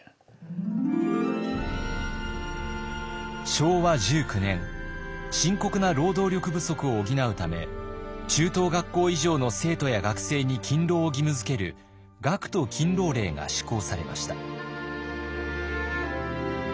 昭和１９年深刻な労働力不足を補うため中等学校以上の生徒や学生に勤労を義務づける学徒勤労令が施行されました。